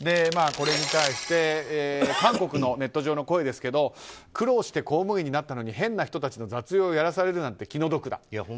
これに対して韓国のネット上の声ですが苦労して公務員になったのに変な人たちの雑用をやらされるなんて気の毒だ。